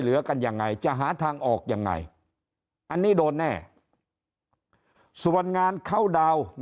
เหลือกันยังไงจะหาทางออกยังไงอันนี้โดนแน่ส่วนงานเข้าดาวน์